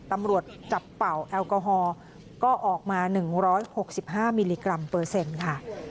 ตำรวจจับเป่าแอลกอฮอล์ก็ออกมา๑๖๕มิลลิกรัมเปอร์เซ็นต์ค่ะ